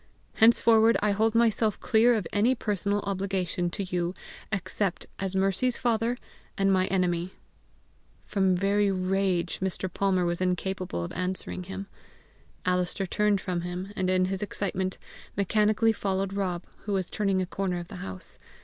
Henceforward I hold myself clear of any personal obligation to you except as Mercy's father and my enemy." From very rage Mr. Palmer was incapable of answering him. Alister turned from him, and in his excitement mechanically followed Rob, who was turning a corner of the house.